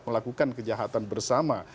melakukan kejahatan bersama